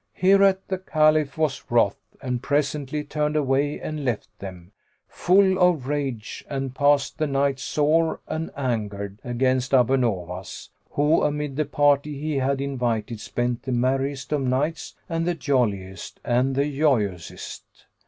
Hereat the Caliph was wroth and presently turned away and left them, full of rage, and passed the night sore an angered against Abu Nowas, who amid the party he had invited spent the merriest of nights and the jolliest and joyousest.